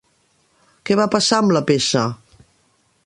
Què va passar amb la peça?